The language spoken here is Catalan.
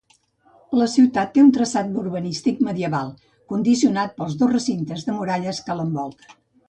La ciutat té un traçat urbanístic medieval, condicionat pels dos recintes de muralles que l'envolten.